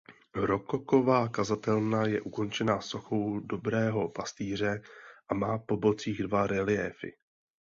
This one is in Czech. Rokoková kazatelna je ukončená sochou dobrého pastýře a má po bocích dva reliéfy.